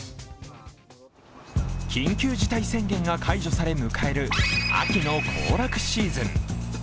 緊急事態宣言が解除され迎える秋の行楽シーズン。